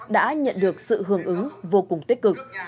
đã nhận được sự hưởng ứng vô cùng tích cực